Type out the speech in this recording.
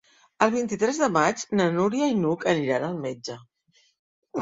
El vint-i-tres de maig na Núria i n'Hug aniran al metge.